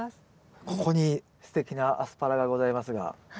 ここにすてきなアスパラがございますがこれは？